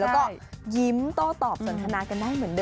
แล้วก็ยิ้มโต้ตอบสนทนากันได้เหมือนเดิ